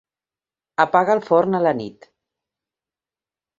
Apaga el forn a la nit.